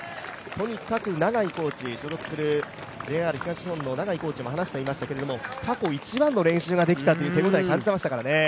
とにかく、所属するＪＲ東日本のコーチも話していましたけれども、過去一番の練習ができたという、手応え感じていましたからね。